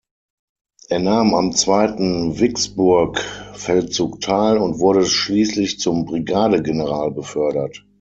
Er nahm am zweiten Vicksburg-Feldzug teil und wurde schließlich zum Brigadegeneral befördert.